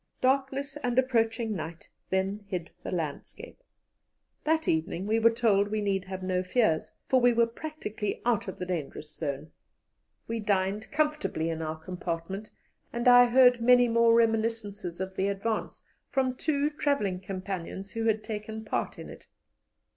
Darkness and approaching night then hid the landscape. That evening we were told we need have no fears, for we were practically out of the dangerous zone. We dined comfortably in our compartment, and I heard many more reminiscences of the advance from two travelling companions who had taken part in it.